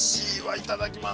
いただきます。